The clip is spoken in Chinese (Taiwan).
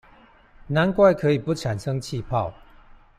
難怪可以不產生氣泡